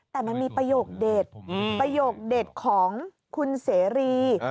แต่มันมีประโยคเด็ดประโยคเด็ดของคุณเสรี